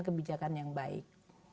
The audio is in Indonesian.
kebijakan yang baik